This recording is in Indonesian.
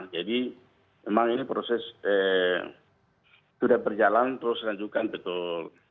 jadi memang ini proses sudah berjalan terus melanjutkan betul